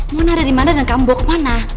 mona ada dimana dan kamu bawa kemana